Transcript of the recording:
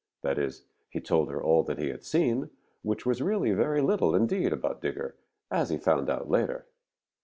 That is, he told her all that he had seen, which was really very little indeed about Digger, as he found out later.